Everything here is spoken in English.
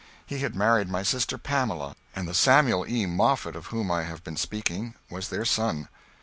He had married my sister Pamela, and the Samuel E. Moffett of whom I have been speaking was their son.